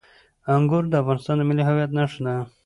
انګور د افغانستان د ملي هویت نښه ده.